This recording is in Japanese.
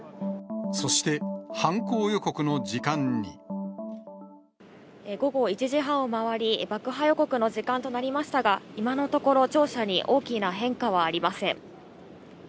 そして、午後１時半を回り、爆破予告の時間となりましたが、今のところ、庁舎に大きな変化はありません。